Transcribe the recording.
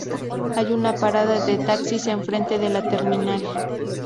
Hay una parada de taxis enfrente de la terminal.